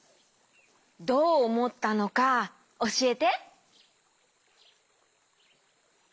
どうおもったのかおしえて。